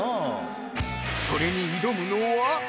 それに挑むのは？